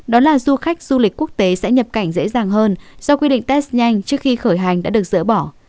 đó là du khách du lịch quốc tế sẽ nhập cảnh dễ dàng hơn do quy định test nhanh trước khi khởi hành đã được dỡ bỏ